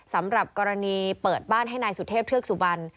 สำหรับกรณีเปิดบ้านให้นายสุเทพเทือกสุบัน